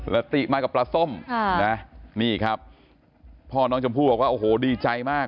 แล้วติมากับปลาส้มนี่ครับพ่อน้องชมพู่บอกว่าโอ้โหดีใจมาก